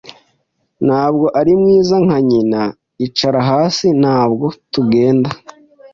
Ntabwo ari mwiza nka nyina. Icara hasi. Ntabwo tugenda.